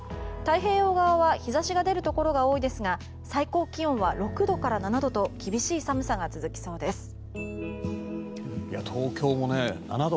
太平洋側は日差しが出るところが多いですが最高気温は６度から７度と厳しい寒さが続きそうです。